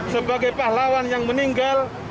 sebagai pahlawan yang meninggal